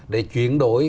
để chuyển đổi